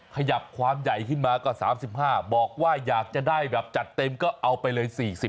ขยับความใหญ่ขึ้นมาก็๓๕บอกว่าอยากจะได้แบบจัดเต็มก็เอาไปเลย๔๐